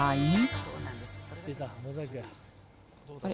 あれ。